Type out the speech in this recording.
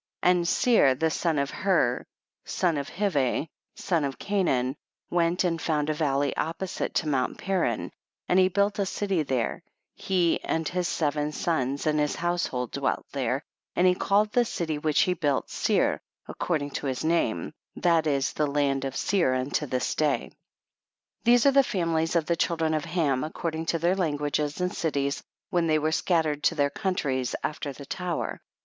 28. And Seir the son of Hur, son of Hivi, son of Canaan, went and found a valley opposite to Mount Paran, and he built a city there, and he and his seven sons and his house hold dwelt there, and he called the city which he built Seir, according to his name ; that is the land of Seir unto this day. 29. These are the families of the children of Ham, according to their languages and cities, M'hen they were scattered to their countries after the tower.